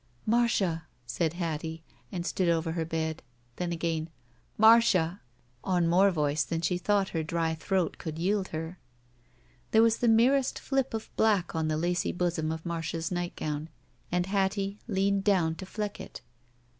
"Marda," said Hattie, and stood over her bed. Then again, "Mar cia!'* On more voice than she thought her dry throat could jrield her. There was the merest flip of blade on the lacy bosom of Marda's nightgown, and Hattie leaned down to fleck it.